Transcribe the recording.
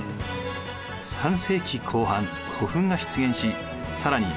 ３世紀後半古墳が出現し更に